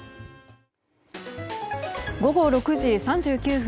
午後６時３９分。